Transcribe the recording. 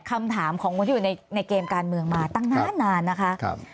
คำถามของคนที่อยู่ในเกมการเมืองมาตั้งนานนะคะ